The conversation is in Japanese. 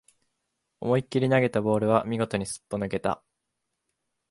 思いっきり投げたボールは見事にすっぽ抜けた